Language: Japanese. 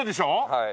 はい。